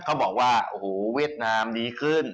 เขาบอกว่าโอ้โหเวียดนามดีขึ้น